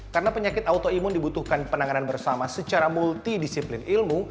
karena penyakit autoimun dibutuhkan penanganan bersama secara multidisiplin ilmu